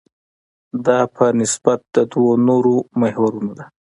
دا په نسبت د دوو نورو محورونو ده.